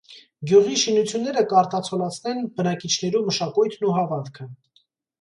Գիւղի շինութիւնները կ՚արտացոլացնեն բնակիչներու մշակոյթն ու հաւատքը։